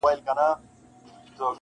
• د زامنو به مي څیري کړي نسونه -